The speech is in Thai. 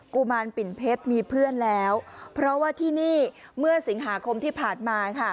กุมารปิ่นเพชรมีเพื่อนแล้วเพราะว่าที่นี่เมื่อสิงหาคมที่ผ่านมาค่ะ